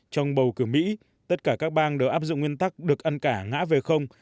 trong bầu cử mỹ tất cả các bang đều áp dụng nguyên tắc được ăn cả ngã về không